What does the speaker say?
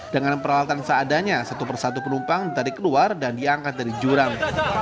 dengan peralatan seadanya satu persatu penumpang ditarik keluar dan diangkat dari jurang